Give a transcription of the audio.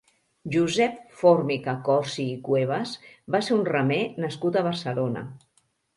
Josep Fórmica-Corsi i Cuevas va ser un remer nascut a Barcelona.